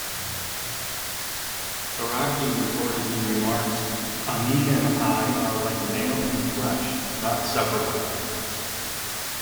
Taraki reportedly remarked, "Amin and I are like nail and flesh, not separable".